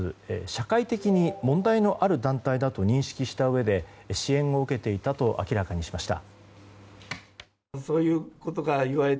社会的に問題のある団体だと認識したうえで支援を受けていたと明らかにしました。